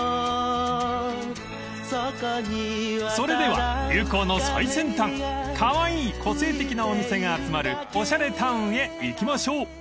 ［それでは流行の最先端カワイイ個性的なお店が集まるおしゃれタウンへ行きましょう］